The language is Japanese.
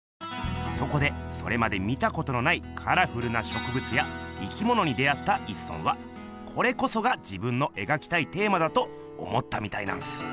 そこでそれまで見たことのないカラフルなしょくぶつや生きものに出会った一村はこれこそが自分のえがきたいテーマだと思ったみたいなんす。